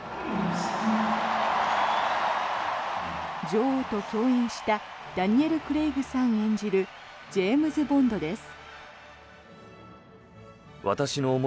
女王と共演したダニエル・クレイグさん演じるジェームズ・ボンドです。